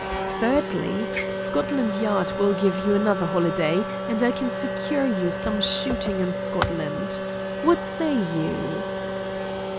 Thirdly, Scotland Yard will give you another holiday, and I can secure you some shooting in Scotland. What say you?"